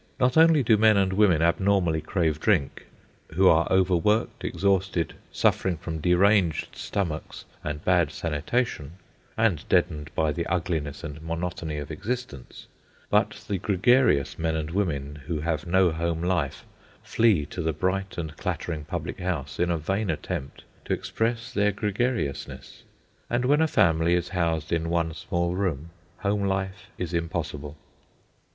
Not only do men and women abnormally crave drink, who are overworked, exhausted, suffering from deranged stomachs and bad sanitation, and deadened by the ugliness and monotony of existence, but the gregarious men and women who have no home life flee to the bright and clattering public house in a vain attempt to express their gregariousness. And when a family is housed in one small room, home life is impossible.